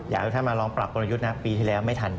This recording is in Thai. อยากให้ท่านมาลองปรับกลยุทธ์นะปีที่แล้วไม่ทัน